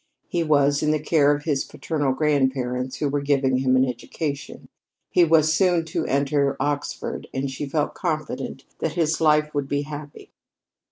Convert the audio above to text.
He was in the care of his paternal grandparents, who were giving him an education. He was soon to enter Oxford, and she felt confident that his life would be happy.